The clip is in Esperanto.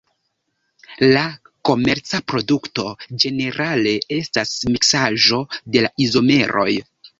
La komerca produkto ĝenerale estas miksaĵo de la izomeroj.